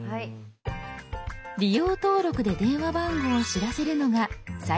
「利用登録」で電話番号を知らせるのが最近の主流。